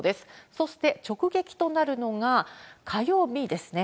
そして直撃となるのが、火曜日ですね。